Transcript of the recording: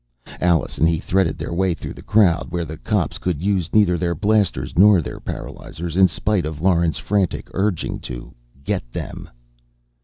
Alice and he threaded their way through the crowd where the cops could use neither their blasters nor their paralyzers, in spite of Lauren's frantic urging to "Get them!"